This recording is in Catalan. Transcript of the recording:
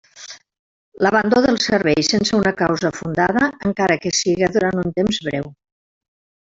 L'abandó del servei sense una causa fundada, encara que siga durant un temps breu.